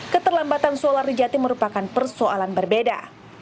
keterlambatan solar di jatim merupakan persoalan berbeda